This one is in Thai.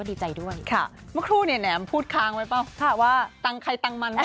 แต่ว่าก็เจอกันปกติ